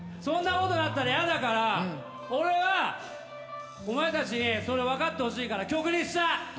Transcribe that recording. そんなことなったらやだから俺はお前たちにそれを分かってほしいから曲にした。